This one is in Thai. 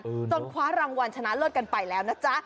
จนคว้ารางวัลชนะเลิศกันไปแล้วนะจ๊ะ